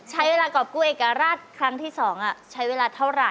ใช้เวลากอบกล้วยกับราชครั้งที่สองใช้เวลาเท่าไร